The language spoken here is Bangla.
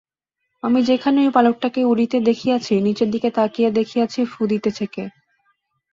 আমি যেখানে ওই পালকটাকে উড়িতে দেখিয়াছি, নিচের দিকে চাহিয়া দেখিয়াছি ফুঁ দিতেছে কে।